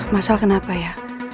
masal kenapa ya